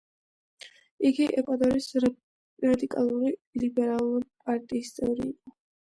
იგი ეკვადორის რადიკალური ლიბერალური პარტიის წევრი იყო.